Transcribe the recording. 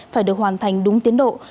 phải được hoàn thành đúng tiến độ